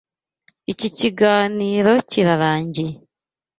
Iki kiganiro kirarangiye.